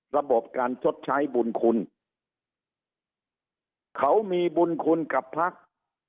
ระบบการชดใช้บุญคุณเขามีบุญคุณกับพัก